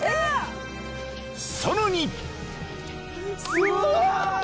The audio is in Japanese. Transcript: ［さらに］